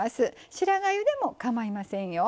白がゆでもかまいませんよ。